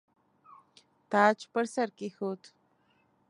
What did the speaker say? تاج پر سر کښېښود.